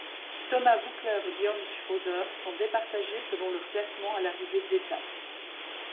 Thomas Voeckler et Björn Schröder sont départagés selon leur classement à l'arrivée de l'étape.